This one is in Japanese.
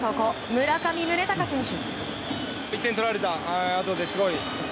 村上宗隆選手！